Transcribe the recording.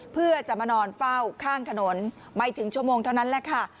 เพื่อจะมานอนเฝ้าข้างถนนไม่ถึงชั่วโมงเท่านั้นแหละค่ะ